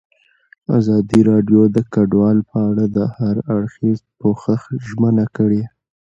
ازادي راډیو د کډوال په اړه د هر اړخیز پوښښ ژمنه کړې.